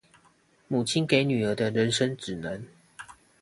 母親給女兒的人生指南